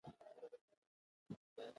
سپی مې خپلې غاړې ته ټيټوي.